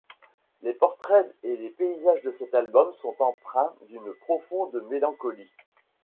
Les portraits et les paysages de cet album sont empreints d'une profonde mélancolie.